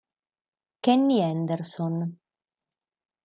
Kenny Anderson